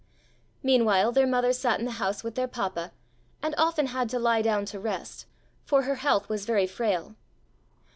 Meanwhile their mother sat in the house with their papa, and often had to lie down to rest, for her health was very frail.